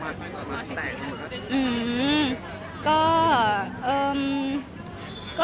มันเป็นปัญหาจัดการอะไรครับ